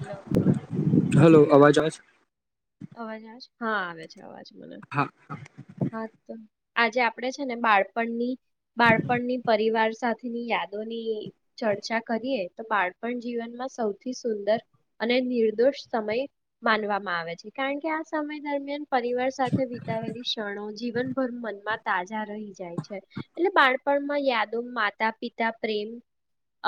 Hello hello અવાજ આવે છે? અવાજ આવે છે? હા આવે છે અવાજ. આવે છે મને. હા હા, તો. આજે આપણેે છે ને બાળપણની, બાળપણની પરિવાર સાથેની યાદોની ચર્ચા કરીએ તો બાળપણ જીવનમાં સૌથી સુંદર અને નિર્દોષ સમય માનવામાં આવે છે. કારણ કે, આ સમય દરમિયાન પરિવાર સાથે વિતાવેલી ક્ષણો છે. જીવનભર મનમાં તાજા રહી જાય છે. એટલે બાળપણ માં યાદોમાં માતા, પિતા, પ્રેમ,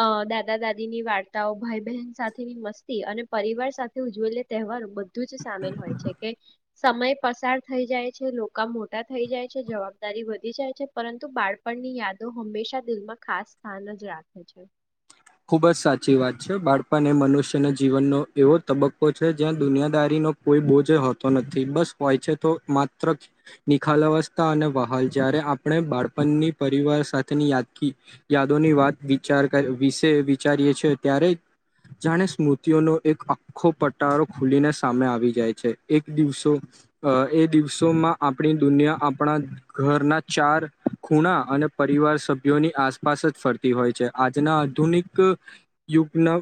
અ દાદા, દાદી ની વાર્તાઓ ભાઈ-બહેન સાથેની મસ્તી અને પરિવાર સાથે ઉજવેલ તહેવારો બધું જ સામેલ હોય છે. કે સમય પસાર થઈ જાય છે લોકા મોટા થઈ જાય છે, જવાબદારી વધી જાય છે. પરંતુ બાળપણની યાદો હંમેશા દિલમાં ખાસ સ્થાન જ રાખે. છે. ખુબ જ સાચી વાત છે. બાળપણ એ મનુષ્યના જીવનનો એવો તબક્કો છે જ્યાં દુનિયાદારીનો કોઈ બોજ હોતો નથી. બસ હોય છે, તો માત્ર નિખાલ અવસ્થા અને વહાલ જયારે આપણે બાળપણની પરિવાર સાથેની યાદગી યાદોની વાત, વિચાર કર વી તે વિચારીએ છે ત્યારે જાણે સ્મૃતિઓનો એક આખો પટારો ખુલીને સામે આવી જાય છે. એક દિવસો એ દિવસોમાં આપણી દુનિયા આપણા ઘરના ચાર ખૂણા અને પરિવાર સભ્યોની આસપાસ જ ફરતી હોય છે. આજના આધુનિક યુગના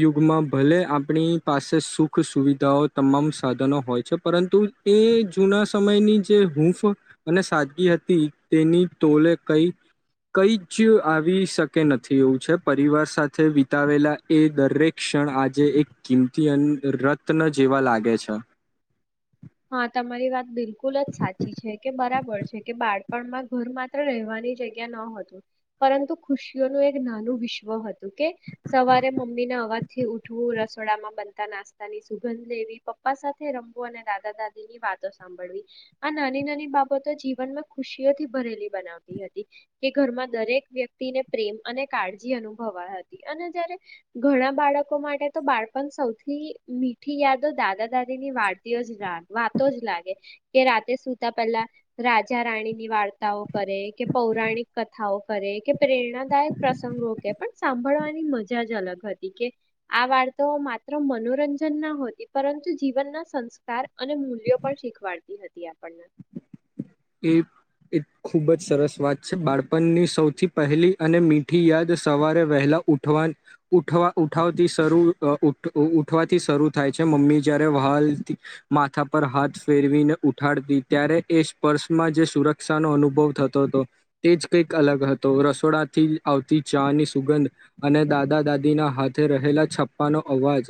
યુગમાં ભલે આપણી પાસે સુખ- સુવિધાઓ તમામ સાધનો હોય છે. પરંતુ એ જૂના સમયની જે હૂંફ અને સાદગી હતી. તેની તોલે કંઈ કંઈ જ આવી શકે નથી એવું છે. પરિવાર સાથે વિતાવેલા એ દરેક ક્ષણ આજે એક કિંમતી અને રત્ન જેવા લાગે છે. હા, તમારી વાત બિલકુલ જ સાચી છે. કે બરાબર છે. કે બાળપણ પણ ઘર માત્ર રહેવાની જગ્યા ન હતું, પરંતુ ખુશીઓનું એક નાનું વિશ્વ હતું. કે સવારે મમ્મીને અવાજથી ઉઠવું, રસોડામાં બનતા નાસ્તા ની સુગંધ લેવી, પપ્પા સાથે રમવું અને દાદી સાથે દાદી ની વાતો સાંભળવી, આ નાની નાની બાબતો જીવનમાં ખુશીઓથી ભરેલી બનાવતી હતી. કે ઘરમાં દરેક વ્યક્તિને પ્રેમ અને કાળજી અનુભવા હતી. અને જયારે ઘણા બાળકો માટે તો બાળપણ સૌથી મીઠી યાદો દાદા દાદી ની વાર્તા જ વાતો જ લાગે કે, રાતે સુતા પહેલા રાજા રાણીની વાર્તાઓ કરે કે, પૌરાણિક કથાઓ કરે કે, પ્રેરણાદાયક પ્રસંગો કે પણ સાંભળવાની મજા જ અલગ હતી. કે આ વાર્તાઓ માત્ર મનોરંજન ના હોતી પરંતુ જીવનના સંસ્કાર સાર અને મૂલ્યો પણ શીખવાડતી હતી આપણને એ ખૂબ જ સરસ વાત છે. બાળપણની સૌથી પહેલી અને મીઠી યાદ સવારે વહેલા ઉઠવાથી શરૂ થાય છે. મમ્મી જયારે વ્હાલ માથા પર હાથ ફેરવીને ઉઠાડતી ત્યારે, એ પર્સમાં જે સુરક્ષાનો અનુભવ થતો હતો તે જ કંઈક અલગ હતો. રસોડાથી આવતી ચાની સુગંધ અને દાદા દાદીના હાથે રહેલા છપ્પાનો અવાજ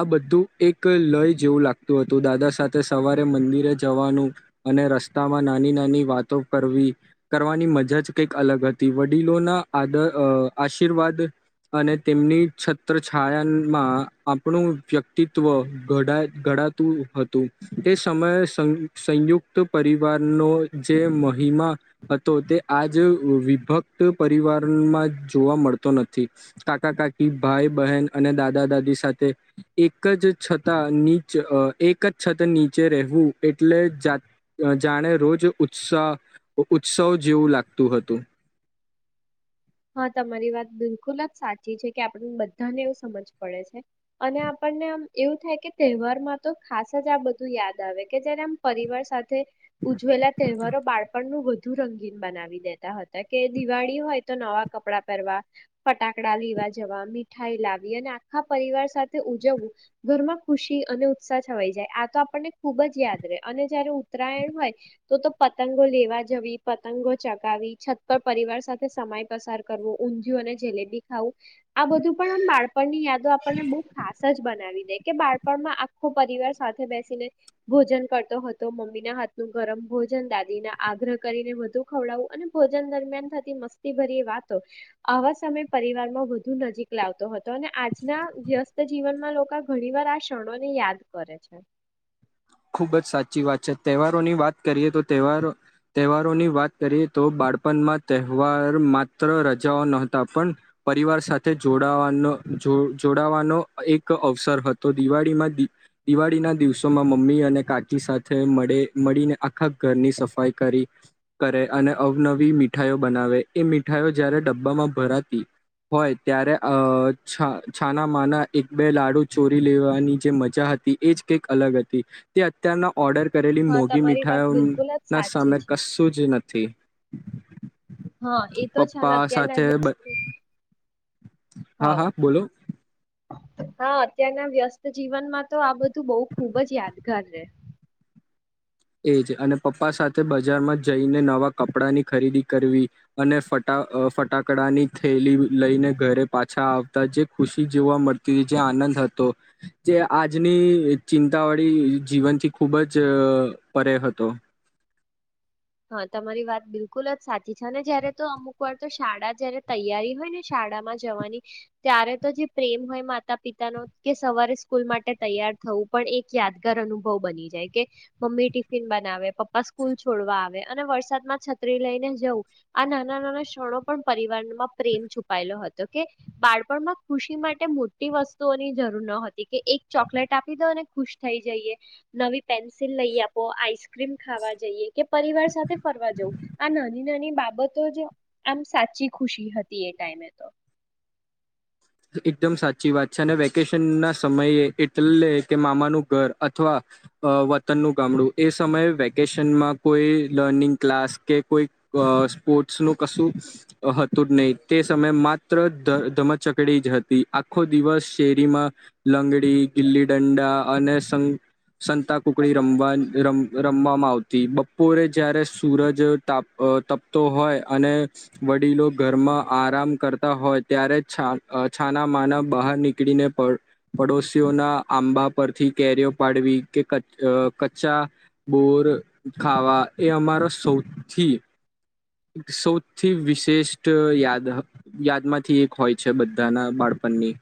આ બધું એક લય જેવું લાગતું હતું. દાદા સાથે સવારે મંદિરે જવાનું અને રસ્તા માં નાની નાની વાતો કરવાની મજા જ કંઈક અલગ હતી. વડીલોના આશીર્વાદ અને તેમની છત્રછાયામાં આપણું વ્યક્તિત્વ ઘડાતું હતું તે સમયે સંયુક્ત પરિવારનો જે મહિમા હતો તે આજ વિભક્ત પરિવારમાં જોવા મળતો નથી. કાકા-કાકી, ભાઈ-બહેન અને દાદા-દાદી સાથે એક જ છત નીચે રહેવું એટલે જાત જાણે રોજ ઉત્સવ જેવું લાગતું હતું. હા, તમારી વાત બિલકુલ જ સાચી છે કે આપણ બધાને એવું સમજ પડે છે અને આપણને આમ એવું થાય કે તહેવારમાં તો ખાસ જ આ બધું યાદ આવે કે જયારે આમ પરિવાર સાથે ઉજવેલા તહેવારો બાળપણ નું બધું વધુ રંગીન બનાવી દેતા હતા. કે દિવાળી હોય નવા કપડા પહેરવા, ફટાકડા લેવા જવા, મીઠાઈ લાવી અને આખા પરિવાર સાથે ઉજવવું ઘરમાં ખુશી અને ઉત્સાહ છવાઈ જાય, આ તો આપણને ખુબ જ યાદ રહે. અને જયારે ઉત્તરાયણ હોય તો તો પતંગો લેવા જવી, પતંગો ચગાવી છત પર પરિવાર સાથે સમય પસાર કરવો, ઉંધીયુ અને જલેબી ખાવું -. આ બધું પણ આમ બાળપણની યાદો આપણને બહુ ખાસ જ બનાવી દે. કે બાળપણમાં આખો પરિવાર સાથે બેસીને ભોજન કરતો હતો. મમ્મીના હાથનું ગરમ ભોજન, દાદી ના આગ્રહ કરીને વધુ ખવડાવું અને ભોજન દરમિયાન થતી મસ્તી. ભરી વાતો આવા સમયે પરિવારમાં વધુ નજીક લાવતો હતી. અને આજના વ્યસ્ત જીવનમાં લોકો ઘણી વાર આ ક્ષણોને યાદ કરે છે. ખૂબ જ સાચી વાત છે. તહેવારોની વાત કરીએ તો તહેવારોની વાત કરીએ તો બાળપણમાં તહેવાર માત્ર રજાઓ ન હતા, પણ પરિવાર સાથે જોડાવાનો એક અવસર હતો. દિવાળીના દિવસોમાં મમ્મી અને કાકી સાથે મળીને આખા ઘરની સફાઈ કરી કરે અને અવનવી મીઠાઈઓ બનાવે. એ મીઠાઈઓ જ્યારે ડબ્બામાં ભરાતી હોય ત્યારે છાના માના એક બે લાડુ ચોરી લેવાની જે મજા હતી, એ જ કંઈક અલગ હતી. તે અત્યારના ઓર્ડર કરેલી હા મોંઘી તમારી વાત મીઠાઈઓનુ બિલકુલ જ ના સાચી સામે છે કશું જ નથી. હા એ થી તો છે ને પપ્પા અત્યારના સાથે વ્યસ્ત બ હા, હા બોલો. હા, અત્યારના વ્યસ્ત જીવનમાં તો આ બધું બહુ ખુબ જ યાદગાર રહે. એજ અને પપ્પા સાથે બજારમાં જઈને નવા કપડાની ખરીદી કરવી અને ફટા અ ફટાકડાની થેલી લઈને ઘરે પાછા આવતા જે ખુશી જોવા મળતી હતી, જે આનંદ હતો, જે આજની ચિંતાવાળી જીવનથી ખૂબ જ અ પરે હતો. હા તમારી વાત બિલકુલ જ સાચી છે અને જયારે તો અમુક વાર તો શાળા જયારે તૈયારી હોય ને શાળામાં જવાની ત્યારે તો જે પ્રેમ હોય માતા પિતાનો કે સવારે સ્કૂલ માટે તૈયાર થવું પણ એક યાદગાર અનુભવ બની જાય કે મમ્મી ટિફિન બનાવે પપ્પા સ્કૂલ છોડવા આવે અને વરસાદમાં છત્રી લઈને જવું આ નાના-નાના ક્ષણો પણ પરિવારમાં પ્રેમ છુપાયેલો હતો કે બાળપણમાં ખુશી માટે મોટી વસ્તુઓની જરૂર ન હતી કે એક ચોકલેટ આપી દોને ખુશ થઈ જઈએ નવી પેન્સિલ લઈ આપો આઈસક્રીમ ખાવા જઈએ કે પરિવાર સાથે ફરવા જવું આ નાની-નાની બાબતો જ આમ સાચી ખુશી હતી એ ટાઈમે તો. એકદમ સાચી વાત છે અને વેકેશન ના સમયે એટલે કે મામાનું ઘર અથવા અ વતનનું ગામડું એ સમયે વેકેશનમાં કોઈ લર્નિંગ ક્લાસ કે કોઈ અ સ્પોર્ટ્સ નું કશું હતું જ નહી તે સમયે માત્ર ધમચક જ હતી આખો દિવસ શેરીમાં લંગડી ગીલી દંડા અને સંત સંતાકુકડી રમવા રમ રમવામાં આવતી બપોરે જય્યારે સૂરજ તાપ તપતો હોય અને વડીલો ઘરમાં આરામ કરતા હોય ત્યારે છા છાનામાના બહાર નીકળીને પ પડોશીઓના આંબા પરથી કેરીઓ પાડવી કે ક કચ્ચા બોર ખાવા એ અમારા સૌથી એક સૌથી વિશેષ્ટ યાદ યાદમાંથી એક હોય છે બધાના બાળપણની.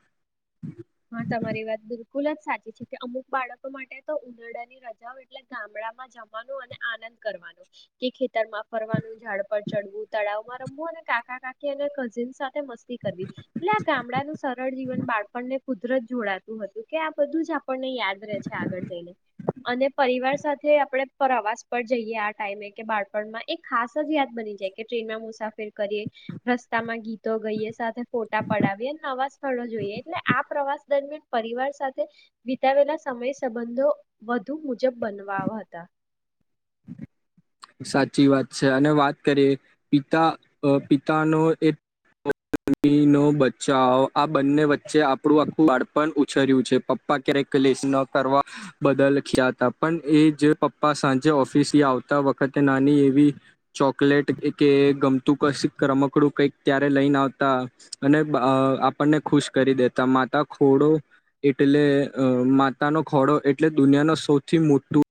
હા તમારી વાત બિલકુલ જ સાચી છે કે અમુક બાળકો માટે તો ઉનાડાની રજાઓ એટલે ગામડામાં જવાનું અને આનંદ કરવાનો કે ખેતરમાં ફરવાનું ઝાડ પર ચડવું તળાવમાં રમવું અને કાકા કાકી અને કઝિન સાથે મસ્તી કરવી એટલે આ ગામડાનું સરળ જીવન બાળપણને કુદરત જોડાતું હતું કે આ બધું જ આ આપણ ને યાદ રહે છે આગળ જઈને અને પરિવાર સાથે આપડે પ્રવાસ પર જઈએ આ ટાઈમે કે બાળપણમાં એક ખાસ જ યાદ બની જાય કે ટ્રેનમાં મુસાફર કરીએ રસ્તામાં ગીતો ગઈએ સાથે ફોટા પડાવીએ અને નવા સ્થળો જોઈએ. એટલે આ પ્રવાસ દરમિયાન પરિવાર સાથે વિતાવેલા સમય સંબંધો વધુ મુજબ બનવા હતા. સાચી વાત છે અને વાત કરીએ પિતા અ પિતાનો એમ [unintelligible] નો બચાવ આ બંને વચ્ચે આપણું આખું બાળપણ ઉછર્યું છે. પપ્પા ક્યારેક લેશન કરવા બદલ [unintelligible] હતા પણ એ જે પપ્પા સાંજે ઓફિસ થી આવતા વખત વખતે નાની એવી ચોકલેટ કે ગમતું કશુ રમકડું કઈક ક્યાંરે લઈને આવતા અને આપણને ખુશ કરી દેતા માતા ખોડો એટલે માતાનો ખોડો એટલે દુનિયા નો સૌથી મોટું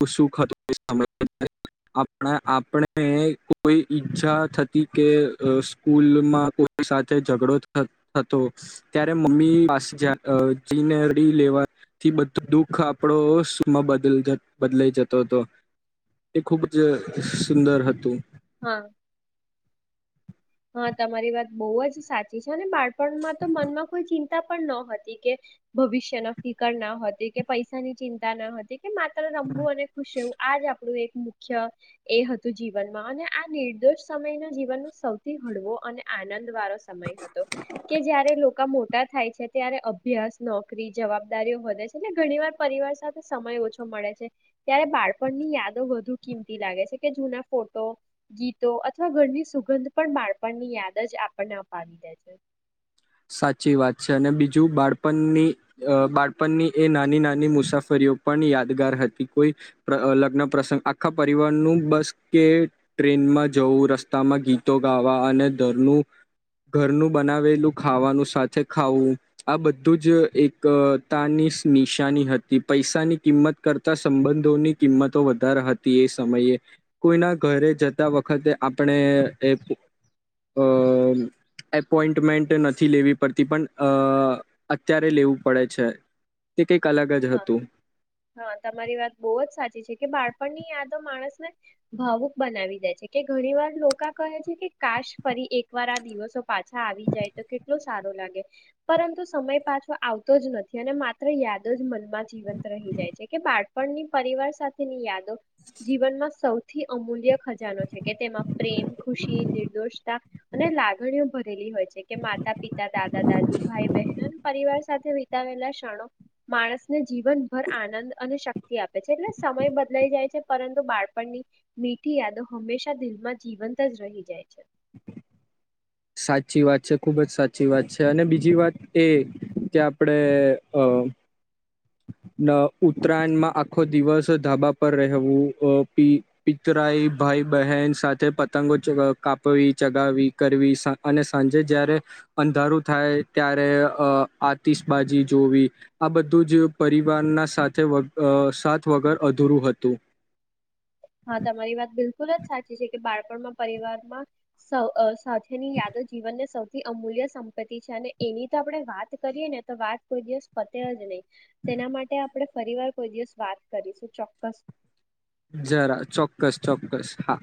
[unintelligible] આપણે કોઈ ઈચ્છા થતી કે સ્કૂલમાં કોઈ સાથે ઝઘડો થતો ત્યારે મમ્મી પાસે જીનેરી [unintelligible] લેવાથી બધું દુઃખ આપણોમાં સૂખમાં બદલી જતો. બદલાઈ જતો તો એ ખુબ જ સુંદર હતું. હા હા તમારી વાત બહુ જ સાચી છે, અને બાળપણમાં તો મનમાં કોઈ ચિંતા પણ ન હતી કે ભવિષ્ય ન ફિકર ના હતી કે પૈસાની ચિંતા ના હતી કે માત્ર રમવું અને ખુશ હોવું આજ આપણું એક મુખ્ય એ હતું જીવનમાં અને આ નિર્દોષ સમયના જીવનમાં સૌ થી હળવો અને આનંદ વારો સમય હતો કે જયારે લોકા મો થાય છે ત્યારે અભ્યાસ નોકરી જવાબદારીઓ વધે છે ને ઘણી વાર પરિવાર સાથે સમય ઓછો મળે છે ત્યારે બાળપણની યાદો વધુ કિંમતી લાગે છે કે જૂના ફોટો ગીતો અથવા ઘરની સુગંધ પણ બાળપણ ની યાદ જ આપણને અપાવી દે છે. સાચી વાત છે, અને બીજું બાળપણની બાળપણની એ નાની નાની મુસાફરીઓ પણ યાદગાર હતી કોઈ લગ્ન પ્રસંગ આખા પરિવારનું બસ કે ટ્રેનમાં જવું રસ્તામાં ગીતો ગાવા અને ધરનું ઘરનું બનાવેલું ખાવાનું સાથે ખાવું આ બધું જ એકતાની નિશાની હતી પૈસાની કિંમત કરતાં સંબંધોની કિંમતો વધારે હતી એ સમયે કોઈના ઘરે જતા વખતે આપણે એ અ એપોઈન્ટમેન્ટ નથી નથી લેવી પડતી પણ અ અત્યારે લેવું પડે છે. તે કંઈક અલગ જ હા હતું હા તમારી વાત બહુ જ સાચી છે કે બાળપણની યાદો માણસ ભાવુક બનાવી દે છે કે ઘણી વાર લોકા કહે છે કે કાશ ફરી એકવાર આ દિવસો પાછા આવી જાય તો કેટલો સારો લાગે પરંતુ સમય પાછો આવતો જ નથી અને માત્ર યાદ જ મનમાં જીવંત રહી જાય છે કે બાળપણની પરિવાર સાથેની યાદ, જીવનમાં સૌથી થી અમૂલ્ય ખજાનો છે કે તેમાં પ્રેમ ખુશી નિર્દોષતા અને લાગણીઓ લી હોય છે કે માતા પિતા, દાદા દાદી ભાઈ, બહેનો અને પરિવાર સાથે વિતાવેલા ક્ષણો માણસને જીવનભર આનંદ અને શક્તિ આપે છે, એટલે સમય બદલાઈ જાય છે. પરંતુ બાળપણની મીઠી યાદો હંમેશા દિલમાં જીવંત જ રહી જાય છે. [unintelligible] સાચી વાત છે ખૂબ જ સાચી વાત છે, અને બીજી વાત એ કે આપણે અ ઉત્તરાયણમાં આખો દિવસ ધાબા પર રહેવું પ પિતરાઈ ભાઈ બહેન સાથે પતંગો કાપવી, ચગાવી કરવી અને સાંજે જય્યારે અંધારું થાય ત્યારે આતિશબાજી જોવી આ બધું જ પરિવારના સાથ વગર અધૂરું હતું. હા, તમારી વાત બિલકુલ જ સાચી છે કે બાળ પણ પરિવાર માં સૌ અસ સાથે ની યાદો જીવનને સૌ થી અમૂલ્ય સંપત્તિ છે અને એની તો આપણે વાત કરીએ ને તો વાત કોઈ દિવસ પતે જ નહી. તેના માટે આપણે ફરી વાર કોઈ દિવસ વાત કરીશું ચોક્કસ જરા ચોક્કસ ચોક્કસ હા